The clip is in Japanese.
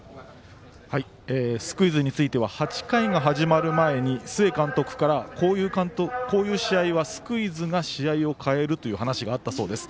スクイズについては８回が始まる前に須江監督からこういう試合はスクイズを試合を変えるという話があったそうです。